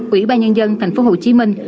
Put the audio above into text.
ủy ba nhân dân thành phố hồ chí minh